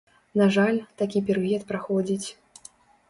На жаль, такі перыяд праходзіць.